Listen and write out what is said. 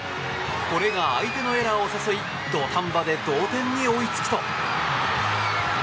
これが相手のエラーを誘い土壇場で同点に追いつくと。